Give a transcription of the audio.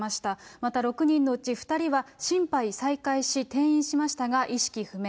また６人のうち２人は、心肺再開し、転院しましたが、意識不明。